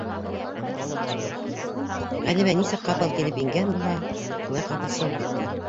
Ғәлимә нисек ҡапыл килеп ингән булһа, шулай ҡапыл сығып китте.